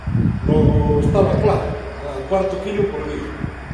Logo, estaba claro: a cuarto quilo por día.